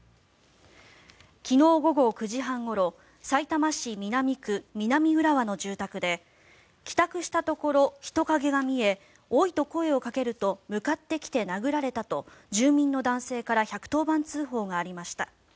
昨日午後９時半ごろさいたま市南区南浦和の住宅で帰宅したところ人影が見えおいと声をかけると向かってきて殴られたと住民の男性から１１０番通報がありました。